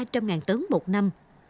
ba trăm linh tấn một năm